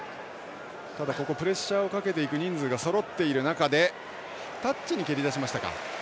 プレッシャーをかけていく人数がそろっている中でタッチに蹴り出しましたか。